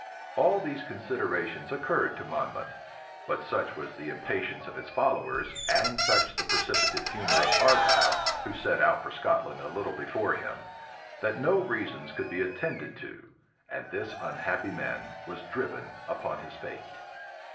All these considerations occurred to Monmouth; but such was the impatience of his followers, and such the precipitate humor of Argyle, who set out for Scotland a little before him, that no reasons could be attended to; and this unhappy man was driven upon his fate.